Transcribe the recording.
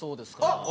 あっ！